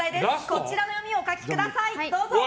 こちらの読みをお書きください。